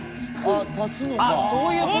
足すのか。